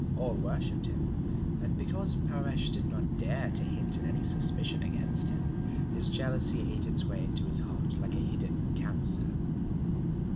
All worshipped him. And because Paresh did not dare to hint at any suspicion against him, his jealousy ate its way into his heart like a hidden cancer.